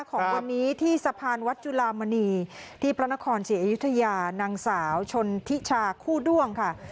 ของวันนี้ที่สะพานวัดจุลามณีที่พระนครศรีอยุธยานางสาวชนทิชาคู่ด้วงค่ะ